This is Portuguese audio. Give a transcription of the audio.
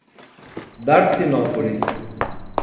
Darcinópolis